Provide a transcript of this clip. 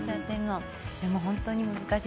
でも本当に難しい。